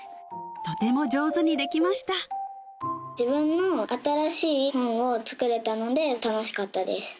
とても上手にできました自分の新しい本を作れたので楽しかったです